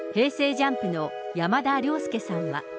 ＪＵＭＰの山田涼介さんは。